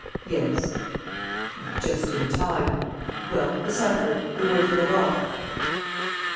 "Yes." "You're just in time. Well, the cypher ... the word for the lock?"